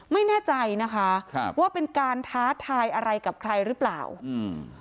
ไม่แน่ใจนะคะครับว่าเป็นการท้าทายอะไรกับใครหรือเปล่าอืม